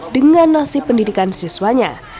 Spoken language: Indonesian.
dengan nasib pendidikan siswanya